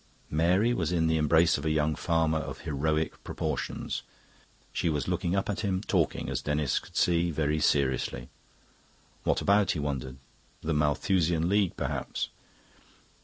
Mary was in the embrace of a young farmer of heroic proportions; she was looking up at him, talking, as Denis could see, very seriously. What about? he wondered. The Malthusian League, perhaps.